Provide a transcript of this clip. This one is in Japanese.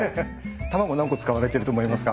卵何個使われてると思いますか？